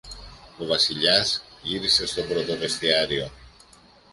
Ο Βασιλιάς γύρισε στον πρωτοβεστιάριο.